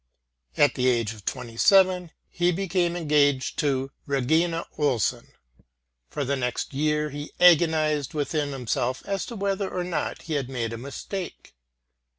At the age of 27 he became engaged to Regine Olsen. For the next year he agonized within himself as to whether or not he had made a mistake.